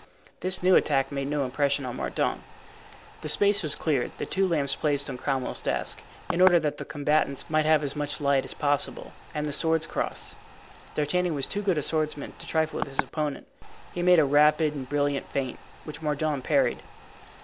This new attack made no impression on Mordaunt. The space was cleared, the two lamps placed on Cromwell's desk, in order that the combatants might have as much light as possible; and the swords crossed. D'Artagnan was too good a swordsman to trifle with his opponent. He made a rapid and brilliant feint which Mordaunt parried.